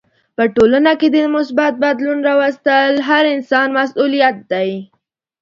په ټولنه کې د مثبت بدلون راوستل هر انسان مسولیت دی.